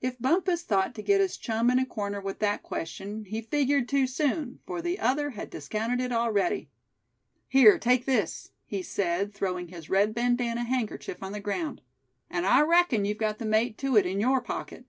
If Bumpus thought to get his chum in a corner with that question, he figured too soon, for the other had discounted it already. "Here, take this," he said, throwing his red bandana handkerchief on the ground; "and I reckon you've got the mate to it in your pocket.